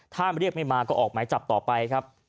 ถ้าเรียกไม่มาก็ออกหมายจับต่อไปครับ